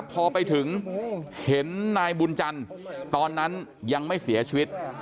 พอไปถึงเห็นนายบุญจันทร์ตอนนั้นยังไม่เสียชีวิต